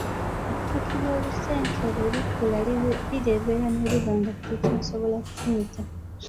Ettutu ly'olusenke bwe lukula lulebera ne luba nga terukyasobola kufumita.